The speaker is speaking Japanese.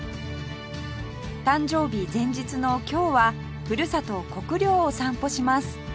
誕生日前日の今日はふるさと国領を散歩します